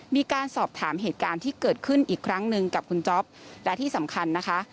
มีการสอบถามเหตุการณ์ที่เกิดขึ้นอีกครั้งหนึ่งกับคุณจ๊อปและที่สำคัญนะคะ